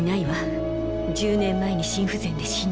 １０年前に心不全で死んだの。